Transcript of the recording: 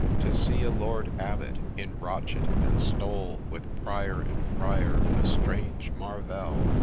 ' To see a Lord Abbot, in rochet and stole, With Prior and Friar, — a strange mar velle